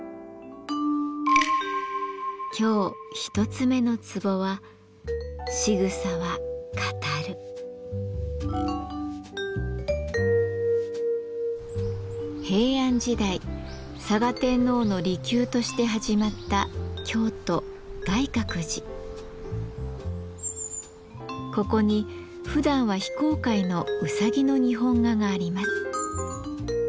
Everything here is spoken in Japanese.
今日１つ目の壺は平安時代嵯峨天皇の離宮として始まったここにふだんは非公開のうさぎの日本画があります。